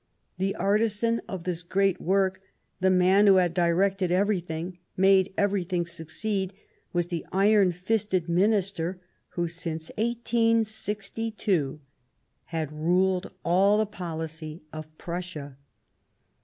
The artisan of this great work, the man who had directed everything, made everything succeed, was the iron fisted Minister who, since 1862, had ruled all the policy of Prussia.